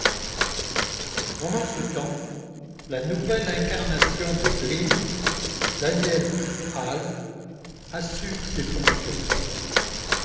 Pendant ce temps, la nouvelle incarnation de Dream, Daniel Hall, assume ses fonctions.